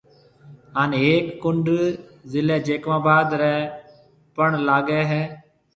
ھان ھيَََڪ ڪُنڊ ضلع جيڪب آباد رَي پڻ لاگيَ ھيََََ